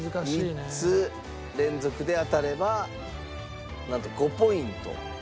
３つ連続で当たればなんと５ポイントでございます。